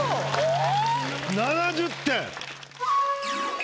７０点。